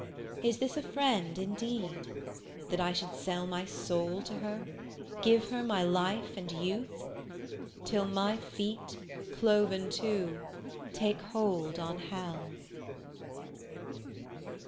Is this a friend indeed; that I should sell My soul to her, give her my life and youth, Till my feet, cloven too, take hold on hell?